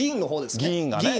議員がね。